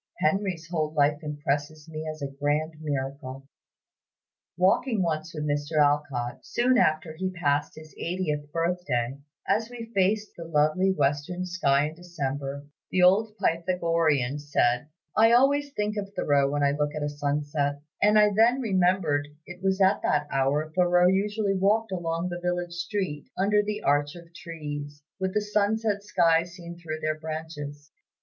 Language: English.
Henry's whole life impresses me as a grand miracle." Walking once with Mr. Alcott, soon after he passed his eightieth birth day, as we faced the lovely western sky in December, the old Pythagorean said, "I always think of Thoreau when I look at a sunset;" and I then remembered it was at that hour Thoreau usually walked along the village street, under the arch of trees, with the sunset sky seen through their branches.